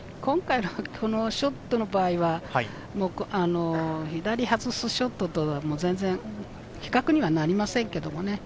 今回のショットの場合は、左外すショットとは全然、比較になりませんけれどもね。